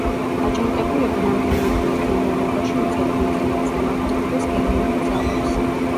აჯანყებულები რამდენიმე კვირის განმავლობაში უწევდნენ ძლიერ წინააღმდეგობას გერმანულ ძალებს.